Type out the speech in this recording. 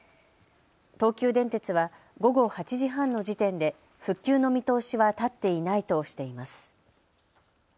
東急電鉄は午後８時半の時点で復旧の見通しは立っていないとしています。